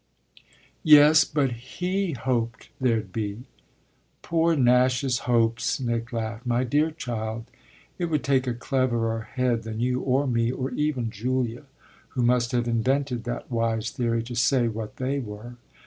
"Yes, but he hoped there'd be." "Poor Nash's hopes!" Nick laughed. "My dear child, it would take a cleverer head than you or me, or even Julia, who must have invented that wise theory, to say what they were.